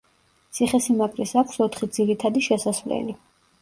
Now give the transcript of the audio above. ციხესიმაგრეს აქვს ოთხი ძირითადი შესასვლელი.